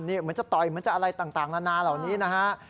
เหมือนจะต่อยเหมือนจะอะไรต่างนานาเหล่านี้นะฮะ